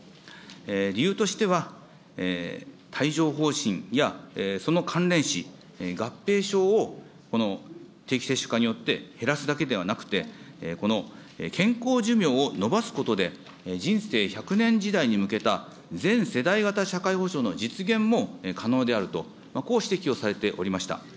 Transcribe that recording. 理由としては帯状ほう疹やその関連死、合併症をこの定期接種化によって減らすだけではなくて、この健康寿命を延ばすことで、人生１００年時代に向けた全世代型社会保障の実現も可能であると、こう指摘をされておりました。